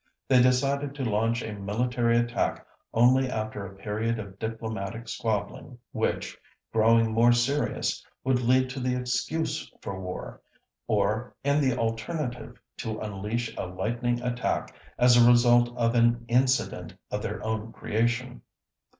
They decided to launch a military attack only after a period of diplomatic squabbling which, growing more serious, would lead to the excuse for war, or, in the alternative, to unleash a lightning attack as a result of an "incident" of their own creation.